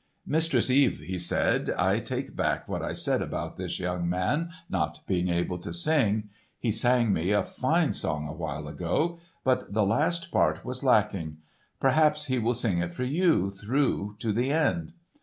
"Mistress Eve," he said, "I take back what I said about this young man not being able to sing. He sang me a fine song awhile ago, but the last part was lacking. Perhaps he will sing it for you through to the end."